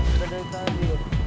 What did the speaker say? udah dari tadi